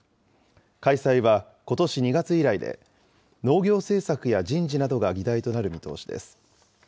開催はことし２月以来で、農業政策や人事などが議題となる見通しです。